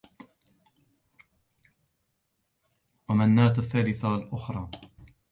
وَمَنَاةَ الثَّالِثَةَ الْأُخْرَى